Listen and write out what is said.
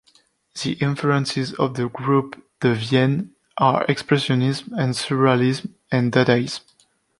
The influences of the Groupe de Vienne are expressionism and surrealism and dadaism.